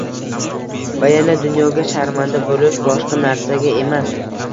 va yana dunyoga sharmanda bo‘lish, boshqa narsaga emas.